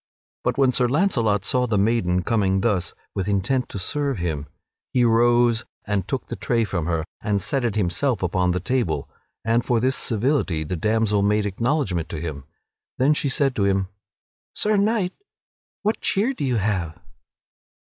But, when Sir Launcelot saw the maiden coming thus with intent to serve him, he arose and took the tray from her and set it himself upon the table; and for this civility the damsel made acknowledgement to him. Then she said to him: "Sir Knight, what cheer do you have?"